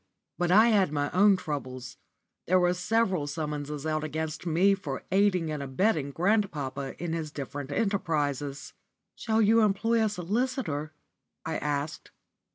But I had my own troubles. There were several summonses out against me for "aiding and abetting" grandpapa in his different enterprises. "Shall you employ a solicitor?" I asked.